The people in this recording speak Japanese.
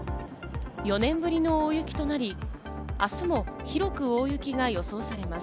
４年ぶりの大雪となり、明日も広く大雪が予想されます。